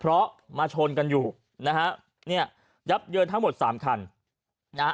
เพราะมาชนกันอยู่นะฮะเนี่ยยับเยินทั้งหมดสามคันนะฮะ